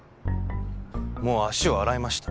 もう足を洗いました。